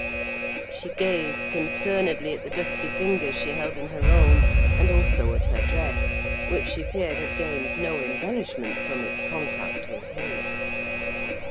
She gazed concernedly at the dusky fingers she held in her own, and also at her dress; which she feared had gained no embellishment from its contact with his.